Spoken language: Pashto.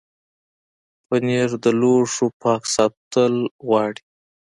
پنېر د لوښو پاک ساتل غواړي.